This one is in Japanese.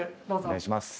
お願いします。